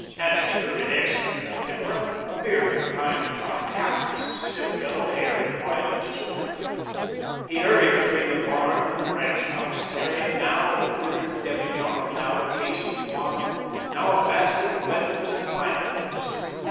Annixter, in execrable temper, appeared from time to time, hatless, his stiff yellow hair in wild disorder. He hurried between the barn and the ranch house, carrying now a wickered demijohn, now a case of wine, now a basket of lemons and pineapples.